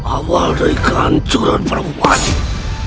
awal dari kehancuran perwakilan